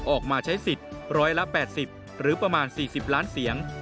ออกมาใช้สิทธิ์๑๘๐หรือประมาณ๔๐ล้านเสียง